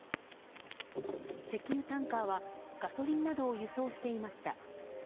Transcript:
石油タンカーはガソリンなどを輸送していました。